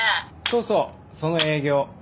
そうそうその営業。